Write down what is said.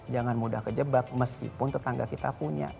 jangan mudah kejebak meskipun tetangga kita punya